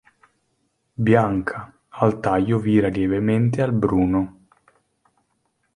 Bianca, al taglio vira lievemente al bruno.